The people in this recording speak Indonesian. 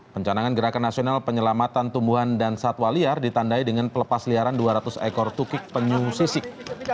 pencanangan gerakan nasional penyelamatan tumbuhan dan satwa liar ditandai dengan pelepas liaran dua ratus ekor tukik penyu sisik